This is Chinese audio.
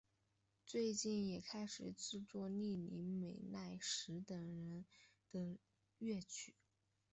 最近也开始制作栗林美奈实等人的乐曲。